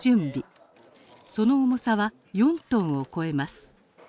その重さは４トンを超えます。